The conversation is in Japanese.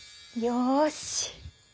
よし！